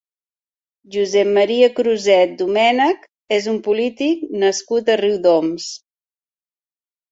Josep Maria Cruset Domènech és un polític nascut a Riudoms.